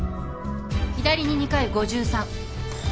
左に２回５３。